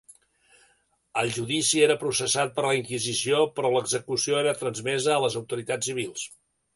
El judici era processat per la inquisició però l'execució era transmesa a les autoritats civils.